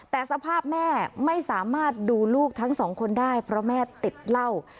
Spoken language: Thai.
แต่สภาพแม่ไม่สามารถดูลูกทั้งสองคนได้เพราะแม่ติดเหล้า